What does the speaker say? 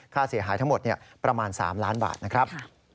ค่าเสียหายทั้งหมดประมาณ๓ล้านบาทนะครับ